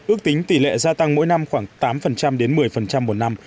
ước tính tỷ lệ gia tăng mỗi năm khoảng tám đến một mươi một năm